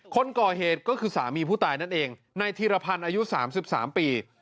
คนก่อเหตุก็คือสามีผู้ตายนั่นเองนายธีรพันธ์อายุ๓๓ปี